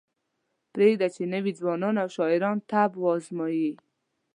پریږدئ چې نوي ځوانان او شاعران طبع وازمایي.